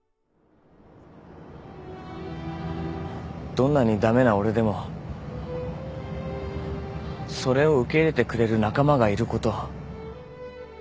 どんなに駄目な俺でもそれを受け入れてくれる仲間がいること。